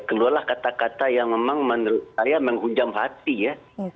keluarlah kata kata yang memang menurut saya menghujam hati ya